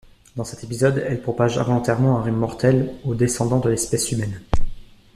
Dans cet épisode, elle propage involontairement un rhume mortel aux descendants de l'espèce humaine.